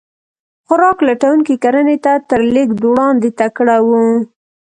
خوراک لټونکي کرنې ته تر لېږد وړاندې تکړه وو.